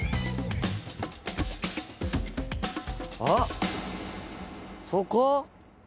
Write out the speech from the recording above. あっそこ？